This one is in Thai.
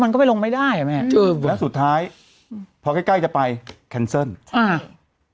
มันก็ไปลงไม่ได้อ่ะแม่แล้วสุดท้ายอืมพอใกล้ใกล้จะไปแคนเซิลอ่า